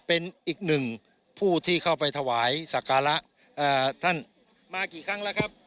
เป็นอีกหนึ่งผู้ที่เข้าไปถวายสักการะท่านมากี่ครั้งแล้วครับ